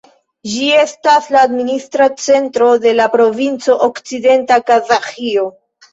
Ĝi estas la administra centro de la provinco Okcidenta Kazaĥio.